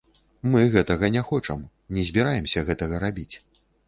Мы гэтага не хочам, не збіраемся гэтага рабіць.